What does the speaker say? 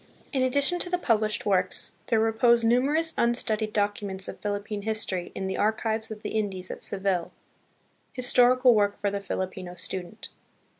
23 In addition to the published works, there repose nu merous unstudied documents of Philippine history in the the Archives of the Indies at Seville. Historical Work for the Filipino Student.